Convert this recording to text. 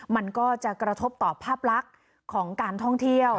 มันก็จะกระทบต่อภาพลักษณ์ของการท่องเที่ยว